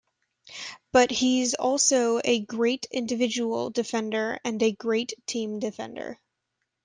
But he's also a great individual defender and a great team defender.